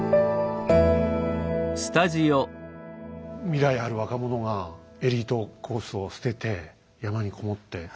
未来ある若者がエリートコースを捨てて山にこもって。